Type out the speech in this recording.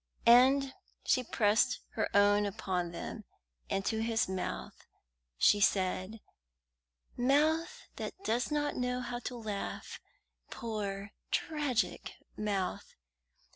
and she pressed her own upon them; and to his mouth she said: "Mouth that does not know how to laugh poor, tragic mouth!"